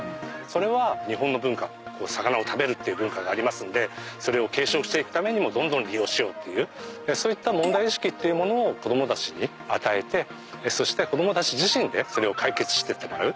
それは日本の文化魚を食べるっていう文化がありますんでそれを継承していくためにもどんどん利用しようっていうそういった問題意識というものを子供たちに与えてそして子供たち自身でそれを解決してってもらう。